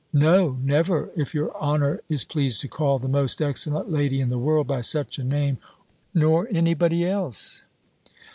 "No, never, if your honour is pleased to call the most excellent lady in the world by such a name, nor any body else."